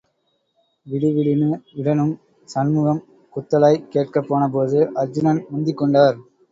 விடுவிடுன்னு விடணும்... சண்முகம் குத்தலாய்க் கேட்கப் போனபோது, அர்ச்சுனன் முந்திக் கொண்டார்.